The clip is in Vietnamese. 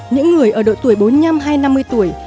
những người ở độ tuổi bốn mươi năm hay năm mươi tuổi